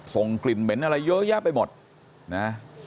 ส่งกลิ่นเหม็นอะไรเยอะแยะไปหมดนะ